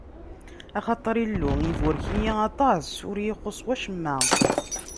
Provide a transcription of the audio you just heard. Axaṭer Illu iburek-iyi aṭas, ur yi-ixuṣṣ wacemma.